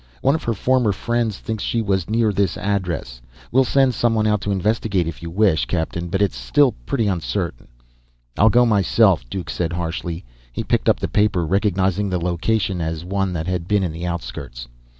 One of her former friends thinks she was near this address. We'll send someone out to investigate, if you wish, captain; but it's still pretty uncertain." "I'll go myself," Duke said harshly. He picked up the paper, recognizing the location as one that had been in the outskirts.